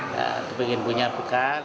ya ingin punya bekal